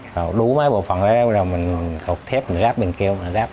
rồi đủ mấy bộ phận đó rồi mình khọc thép mình ráp bên kia